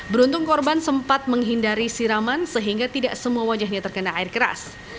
beruntung korban sempat menghindari siraman sehingga tidak semua wajahnya terkena air keras